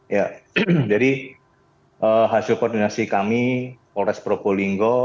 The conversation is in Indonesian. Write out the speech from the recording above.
ya jadi hasil koordinasi kami polres pro polinggo